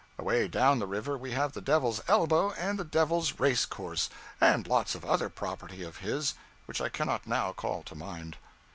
Away down the river we have the Devil's Elbow and the Devil's Race course, and lots of other property of his which I cannot now call to mind.